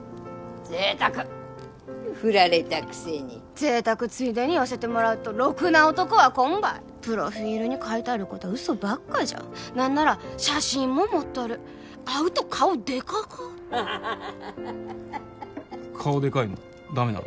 贅沢っふられたくせに贅沢ついでに言わせてもらうとろくな男はこんばいプロフィールに書いてあるこた嘘ばっかじゃ何なら写真も盛っとる会うと顔でかか顔でかいのダメなの？